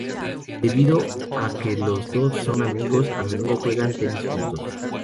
Debido a que los dos son amigos, a menudo juegan tenis juntos.